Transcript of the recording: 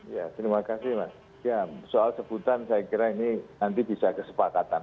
ya terima kasih mas ya soal sebutan saya kira ini nanti bisa kesepakatan